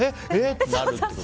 ってなるってこと。